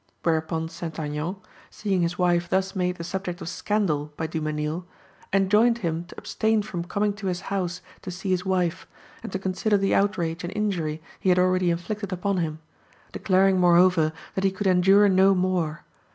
Whereupon St. Aignan, seeing his wife thus made the subject of scandal by Dumesnil, enjoined him to abstain from coming to his house to see his wife, and to consider the outrage and injury he had already inflicted upon him; declaring moreover that he could endure no more.